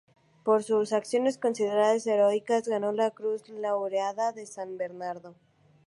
Por sus acciones consideradas heroicas ganó la cruz laureada de San Fernando.